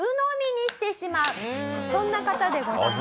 そんな方でございます。